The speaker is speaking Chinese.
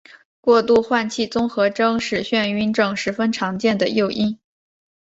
过度换气综合症是晕眩症十分常见的诱因。